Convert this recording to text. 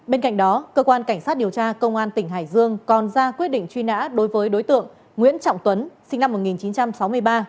bên cạnh đó cơ quan cảnh sát điều tra công an tỉnh hải dương còn ra quyết định truy nã đối với đối tượng nguyễn trọng tuấn sinh năm một nghìn chín trăm sáu mươi ba